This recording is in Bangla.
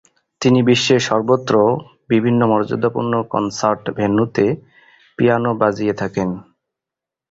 তিনি বিশ্বের সর্বত্র বিভিন্ন মর্যাদাপূর্ণ কনসার্ট ভেন্যুতে পিয়ানো বাজিয়ে থাকেন।